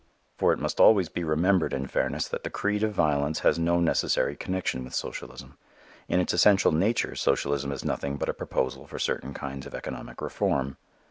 For it must always be remembered in fairness that the creed of violence has no necessary connection with socialism. In its essential nature socialism is nothing but a proposal for certain kinds of economic reform.